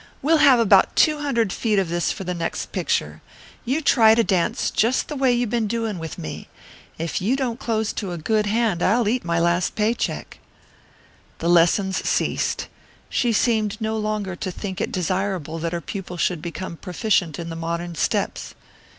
"We'll have about two hundred feet of this for the next picture you trying to dance just the way you been doing with me. If you don't close to a good hand I'll eat my last pay check." The lessons ceased. She seemed no longer to think it desirable that her pupil should become proficient in the modern steps.